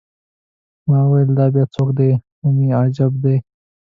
ما وویل: دا بیا څوک دی؟ نوم یې عجیب دی.